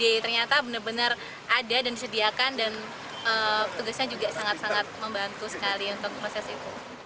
jadi ternyata benar benar ada dan disediakan dan tugasnya juga sangat sangat membantu sekali untuk proses itu